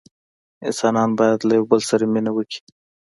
انسانان باید له یوه بل سره مینه وکړي.